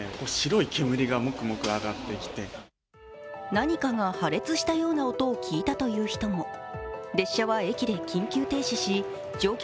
何かが破裂したような音を聞いたという人も列車は駅で緊急停止し乗客